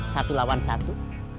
satu lawan satu